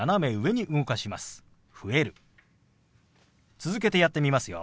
続けてやってみますよ。